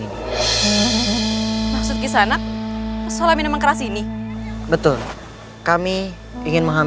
terima kasih telah mengantarkan saya kisanak